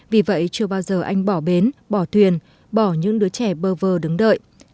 vì vậy chưa bao giờ anh bỏ bến bỏ thuyền bỏ những đứa trẻ bơ vơ đứng đợi